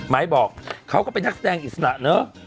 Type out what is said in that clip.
บอกเขาก็เป็นนักแสดงอิสระเนอะ